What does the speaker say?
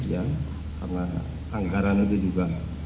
karena anggaran itu juga